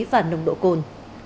và nồng độ cồn